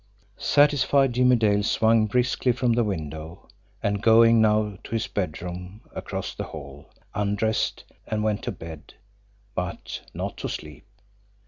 Satisfied, Jimmie Dale swung briskly from the window, and, going now to his bedroom across the hall, undressed and went to bed but not to sleep.